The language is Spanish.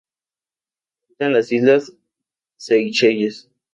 Habita en las islas Seychelles.